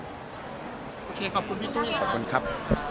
โอเคขอบคุณพี่ตุ้ยขอบคุณครับ